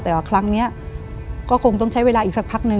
แต่ว่าครั้งนี้ก็คงต้องใช้เวลาอีกสักพักนึง